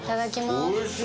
おいしい！